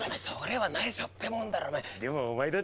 それはないしょってもんだろうお前。